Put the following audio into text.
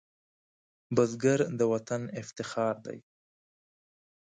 بزګر د وطن افتخار دی